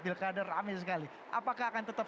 pilkada amin sekali apakah akan tetap